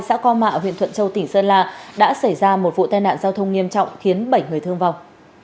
xã co mạ huyện thuận châu tỉnh sơn la đã xảy ra một vụ tai nạn giao thông nghiêm trọng khiến bảy người thương vọng